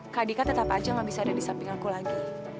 kak dika tetap aja gak bisa ada di samping aku lagi